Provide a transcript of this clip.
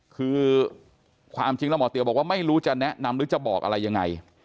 คือความจริงแล้วหมอเตี๋ยบอกว่าไม่รู้จะแนะนำหรือจะบอกอะไรยังไง